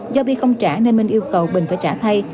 do bi không trả nên minh yêu cầu bình phải trả thay